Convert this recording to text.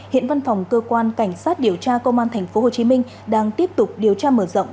hiện văn phòng cơ quan cảnh sát điều tra công an tp hcm đang tiếp tục điều tra mở rộng